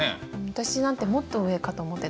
私なんて「もっと上」って。